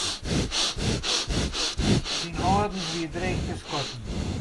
Syn âldens wie dreech te skatten.